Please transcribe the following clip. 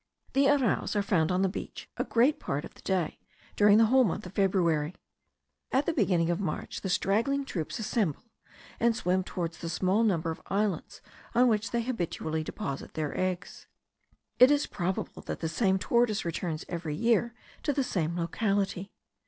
The arraus are found on the beach a great part of the day during the whole month of February. At the beginning of March the straggling troops assemble, and swim towards the small number of islands on which they habitually deposit their eggs. It is probable that the same tortoise returns every year to the same locality.